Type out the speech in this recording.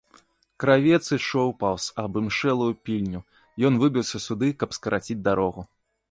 Кравец ішоў паўз абымшэлую пільню, ён выбіўся сюды, каб скараціць дарогу.